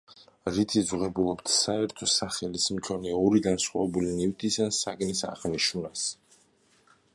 რითიც ვღებულობთ საერთო სახელის მქონე ორი განსხვავებული ნივთის ან საგნის აღნიშვნას.